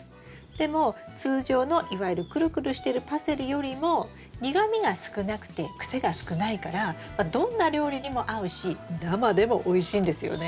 でも通常のいわゆるクルクルしてるパセリよりも苦みが少なくて癖が少ないからどんな料理にも合うし生でもおいしいんですよね。